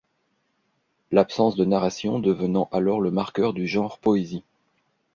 L'absence de narration devenant alors le marqueur du genre poésie.